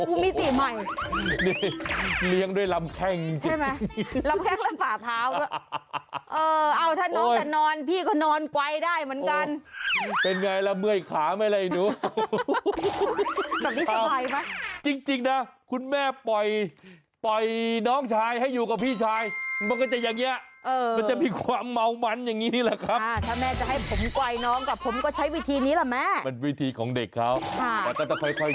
โอ้โฮค่ะโอ้โฮค่ะโอ้โฮค่ะโอ้โฮค่ะโอ้โฮค่ะโอ้โฮค่ะโอ้โฮค่ะโอ้โฮค่ะโอ้โฮค่ะโอ้โฮค่ะโอ้โฮค่ะโอ้โฮค่ะโอ้โฮค่ะโอ้โฮค่ะโอ้โฮค่ะโอ้โฮค่ะโอ้โฮค่ะโอ้โฮค่ะโอ้โฮค่ะโอ้โฮค่ะโอ้โฮค่ะโอ้โฮค่ะโ